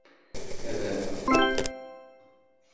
A Baba!